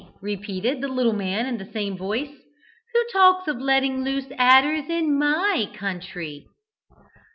repeated the little man in the same voice. "Who talks of letting loose adders in my country?"